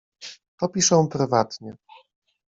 "To piszę prywatnie."